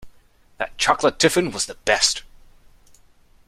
That chocolate tiffin was the best!